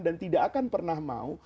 dan tidak akan pernah mau